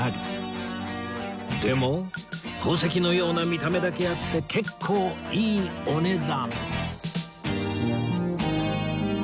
でも宝石のような見た目だけあって結構いいお値段